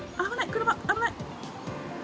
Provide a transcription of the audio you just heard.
車、危ない。